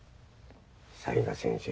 雑賀先生。